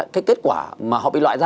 cái kết quả mà họ bị loại ra